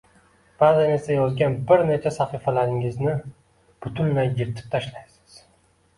Ba’zan esa yozgan bir necha sahifalaringizni butunlay yirtib tashlaysiz